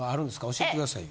教えてくださいよ。